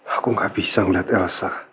aku gak bisa melihat elsa seperti ini